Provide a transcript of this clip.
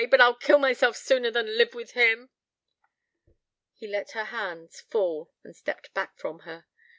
But I'd kill myself sooner than live with him.' He let her hands fall and stepped back from her.